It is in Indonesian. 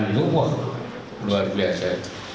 itu luar biasa